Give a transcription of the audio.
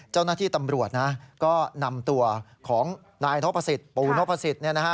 เจ้าหน้าที่ตำรวจน่ะก็นำตัวของนายนพพูนพท